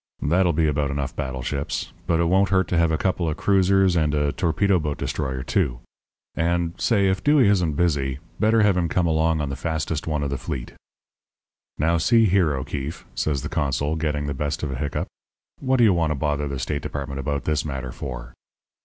That'll be about enough battleships; but it wouldn't hurt to have a couple of cruisers and a torpedo boat destroyer, too. And say, if Dewey isn't busy, better have him come along on the fastest one of the fleet.' "'Now, see here, O'Keefe,' says the consul, getting the best of a hiccup, 'what do you want to bother the State Department about this matter for?'